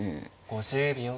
５０秒。